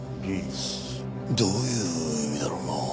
どういう意味だろうな？